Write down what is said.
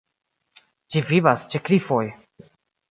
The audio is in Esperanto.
Ĝi vivas ĉe klifoj.